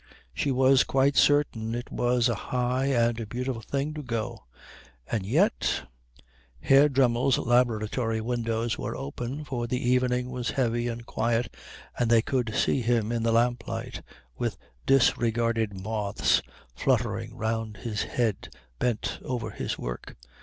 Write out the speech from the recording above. She was quite certain it was a high and beautiful thing to go. And yet Herr Dremmel's laboratory windows were open, for the evening was heavy and quiet, and they could see him in the lamplight, with disregarded moths fluttering round his head, bent over his work.